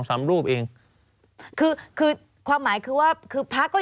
สำหรับสนุนโดยหวานได้ทุกที่ที่มีพาเลส